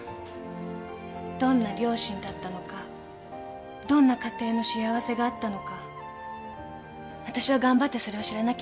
どんな両親だったのかどんな家庭の幸せがあったのかあたしは頑張ってそれを知らなきゃいけない。